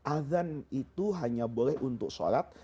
azan itu hanya boleh untuk sholat